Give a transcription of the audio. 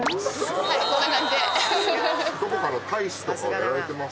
はいこんな感じで。